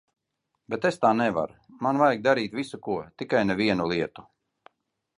Bet es tā nevaru, man vajag darīt visu ko, tikai ne vienu lietu.